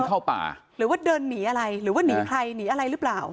เข้าป่าหรือว่าเดินหนีอะไรหรือว่าหนีใครหนีอะไรหรือเปล่า